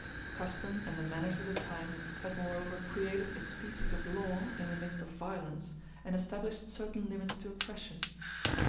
Custom, and the manners of the time, had moreover created a species of law in the midst of violence, and established certain limits to oppression.